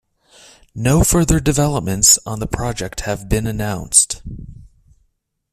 No further developments on the project have been announced.